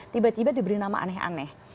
tiba tiba diberi nama aneh aneh